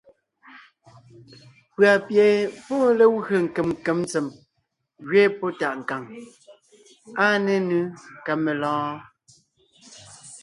Pʉ̀a pie pɔ́ ée legwé nkem nkem tsem ngẅeen pɔ́ tàʼ nkàŋ. Áa nénʉ ka melɔ̀ɔn?